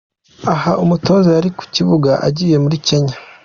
aha umutozo yari ku kibuga agiye muri Kenya